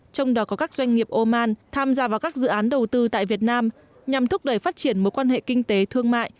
trong đó có các doanh nghiệp oman tham gia vào các dự án đầu tư tại việt nam nhằm thúc đẩy phát triển mối quan hệ kinh tế thương mại